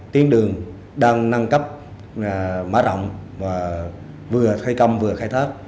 tiến đường đang nâng cấp mã rộng và vừa khai cầm vừa khai thác